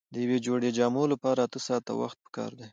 د یوې جوړې جامو لپاره اته ساعته وخت پکار دی.